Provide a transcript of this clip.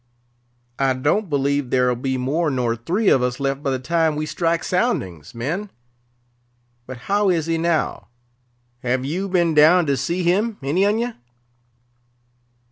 I don't believe there'll be more nor three of us left by the time we strike soundings, men. But how is he now? Have you been down to see him, any on ye?